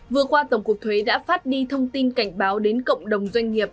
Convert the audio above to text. vừa qua tổng cục thuế đã phát đi thông tin cảnh báo đến cộng đồng doanh nghiệp